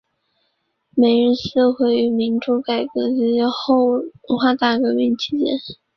梅日寺毁于民主改革及其后的文化大革命期间。